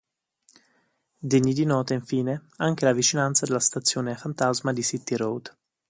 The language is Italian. Degna di nota, infine, anche la vicinanza alla stazione fantasma di City Road.